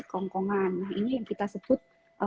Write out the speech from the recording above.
kerongkongan nah ini yang kita sebut